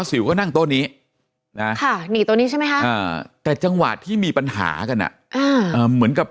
สวัสดีครับสวัสดีครับสวัสดีครับสวัสดีครับสวัสดีครับสวัสดีครับ